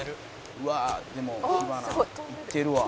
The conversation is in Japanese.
「うわあでも火花いってるわ」